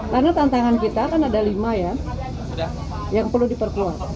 karena tantangan kita kan ada lima ya yang perlu diperkuat